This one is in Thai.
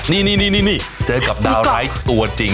นี่เจอกับดาวร้ายตัวจริง